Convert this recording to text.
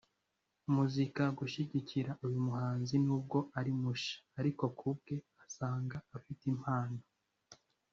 com yasabye abakunzi ba muzika gushyigikira uyu muhanzi n'ubwo ari mushya ariko kubwe asanga afite impano